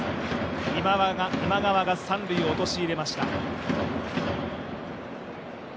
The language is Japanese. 今川が三塁を陥れました。